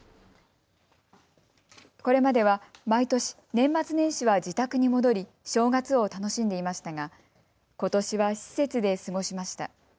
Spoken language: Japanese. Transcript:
これまでは毎年、年末年始は自宅に戻り正月を楽しんでいましたがことしは施設で過ごしました。